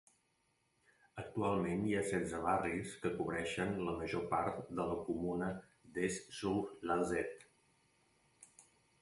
Actualment hi ha setze barris, que cobreixen la major part de la comuna d'Esch-sur-Alzette.